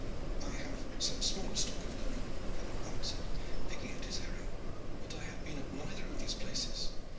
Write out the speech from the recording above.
"I have some small stock of learning," Alleyne answered, picking at his herring, "but I have been at neither of these places.